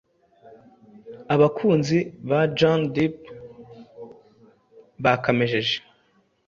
Abakunzi ba John Depp bakamejeje